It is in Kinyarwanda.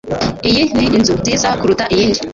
Iyi ni inzu nziza kuruta iyindi